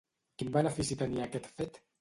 Quin benefici tenia aquest fet?